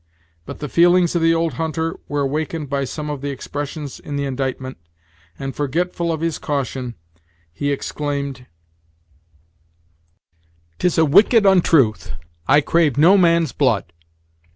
But the feelings of the old hunter were awakened by some of the expressions in the indictment, and, forgetful of his caution, he exclaimed: "'Tis a wicked untruth; I crave no man's blood.